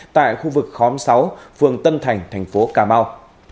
tại khu vực khóm sáu phường tân thành thành phố cà mau